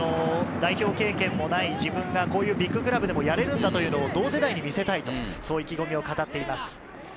代表経験もない自分がこういうビッグクラブでやれるんだというのを同世代に見せたいと意気込みを語っています。